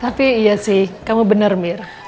tapi iya sih kamu benar mir